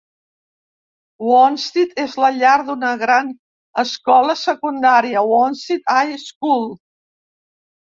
Wanstead és la llar d'una gran escola secundària, Wanstead High School.